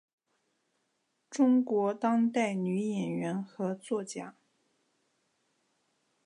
中国当代女演员和作家。